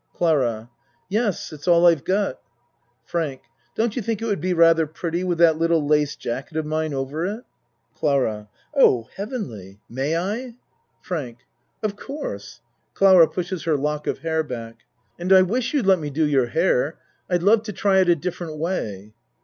CLARA Yes It's all I've got. FRANK Don't you think it would be rather pretty with that little lace jacket of mine over it? CLARA Oh, heavenly! May I? 62 A MAN'S WORLD FRANK Of course. (Clara pushes her lock of hair back.) And I wish you'd let me do your hair. I'd love to try it a different way.